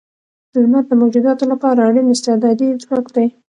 لمر د موجوداتو لپاره اړین استعدادی ځواک دی.